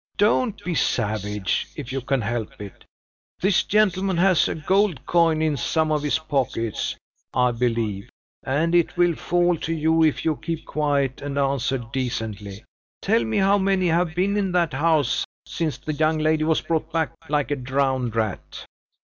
"Don't be savage, if you can help it! This gentleman has a gold coin in some of his pockets, I believe, and it will fall to you if you keep quiet and answer decently. Tell me how many have been in that house since the young lady was brought back like a drowned rat?"